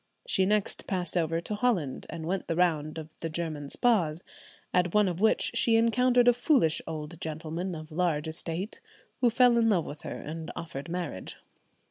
She next passed over to Holland, and went the round of the German spas, at one of which she encountered a foolish old gentleman of large estate, who fell in love with her and offered marriage.